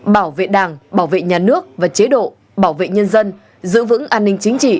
bảo vệ đảng bảo vệ nhà nước và chế độ bảo vệ nhân dân giữ vững an ninh chính trị